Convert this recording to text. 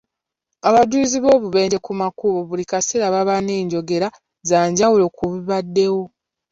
Abajulizi b'obubenje ku makubo buli kaseera baba n'enjogera za njawulo ku bibaddewo.